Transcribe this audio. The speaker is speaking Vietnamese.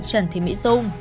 trần thí mỹ dung